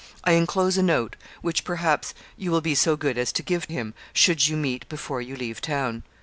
I enclose a note, which, perhaps, you will be so good as to give him, should you meet before you leave town.'